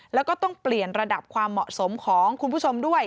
แล้วก็ต้องเปลี่ยนระดับความเหมาะสมของคุณผู้ชมด้วย